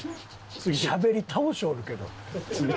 しゃべり倒しよるけど。